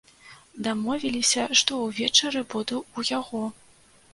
Дамовіліся, што ўвечары буду ў яго.